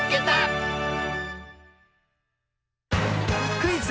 クイズ